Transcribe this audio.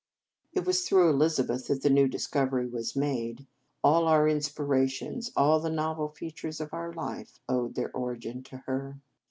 It was through Elizabeth that the new discovery was made. All our in spirations, all the novel features of our life, owed their origin to her.